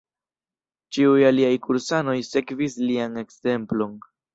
Ĉiuj aliaj kursanoj sekvis lian ekzemplon.